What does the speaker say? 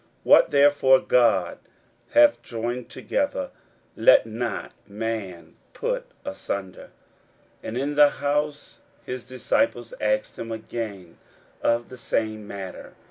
41:010:009 What therefore God hath joined together, let not man put asunder. 41:010:010 And in the house his disciples asked him again of the same matter.